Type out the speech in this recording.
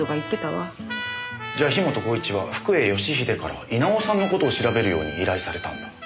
じゃあ樋本晃一は福本義英から稲尾さんの事を調べるように依頼されたんだ。